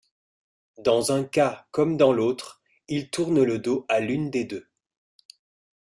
Dans un cas comme dans l'autre, ils tournent le dos à l'une des deux.